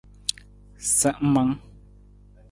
Sa ng mang?